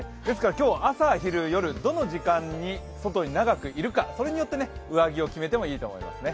今日は朝、昼、夜、どの時間に外に長くいるかそれによって上着を決めてもいいかもしれませんね。